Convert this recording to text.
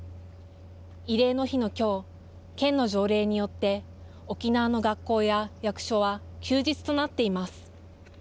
慰霊の日のきょう、県の条例によって、沖縄の学校や役所は休日となっています。